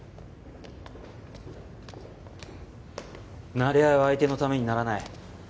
なれ合いは相手のためにならない。